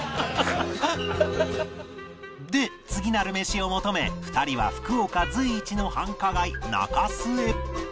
で次なるメシを求め２人は福岡随一の繁華街中洲へ